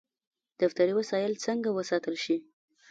دفتري وسایل څنګه وساتل شي؟